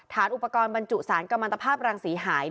ฐานอุปกรณ์บรรจุสารกำลังตภาพรังสีหาย